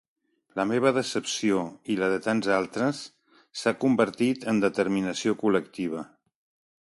La meva decepció, i la de tants altres, s’ha convertit en determinació col·lectiva.